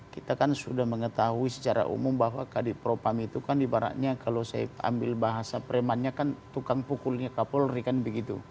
kita kan sudah mengetahui secara umum bahwa kadipropam itu kan ibaratnya kalau saya ambil bahasa premannya kan tukang pukulnya kapolri kan begitu